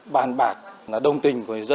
dân đồng ý